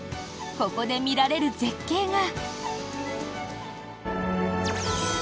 ここで見られる絶景が。